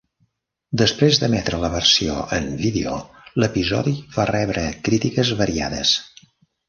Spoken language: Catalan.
Després d'emetre la versió en vídeo, l'episodi va rebre crítiques variades.